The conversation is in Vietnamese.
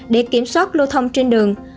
để kiểm soát lưu thông trên đường